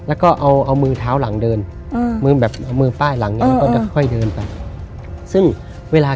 อืมเหมือนคุณแก่บ๊วยบ๊วยบ๊วย